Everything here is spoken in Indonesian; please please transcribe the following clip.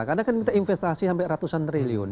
karena kan kita investasi sampai ratusan triliun